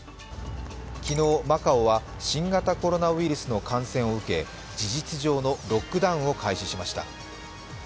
昨日、マカオは新型コロナウイルスの感染を受け事実上のロックダウンを開始しました。